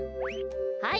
はい。